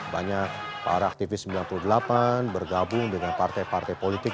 banyak para aktivis sembilan puluh delapan bergabung dengan partai partai politik